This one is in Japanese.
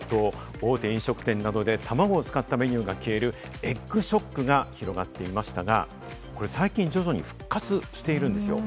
大手飲食店などでたまごを使ったメニューが消えるエッグショックが広がっていましたが、最近徐々に復活しているんですよ。